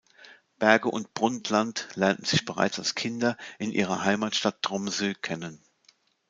Berge und Brundtland lernten sich bereits als Kinder in ihrer Heimatstadt Tromsø kennen.